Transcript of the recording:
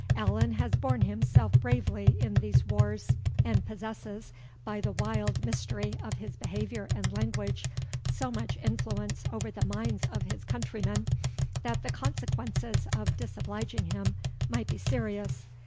Allan has borne himself bravely in these wars, and possesses, by the wild mystery of his behaviour and language, so much influence over the minds of his countrymen, that the consequences of disobliging him might be serious.